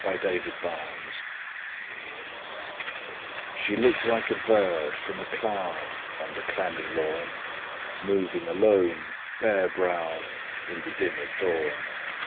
AT THE WORD "FAREWELL" SHE looked like a bird from a cloud On the clammy lawn, Moving alone, bare browed In the dim of dawn.